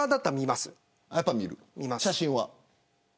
写真は。